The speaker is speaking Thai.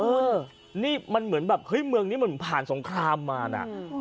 คุณนี่มันเหมือนแบบเฮ้ยเมืองนี้มันผ่านสงครามมานะ